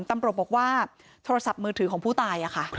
ตำรวจบอกว่าโทรศัพท์มือถือของผู้ตายค่ะ